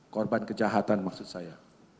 korban kejahatan maksud saya